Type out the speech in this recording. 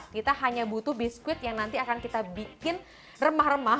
kita hanya butuh biskuit yang nanti akan kita bikin remah remah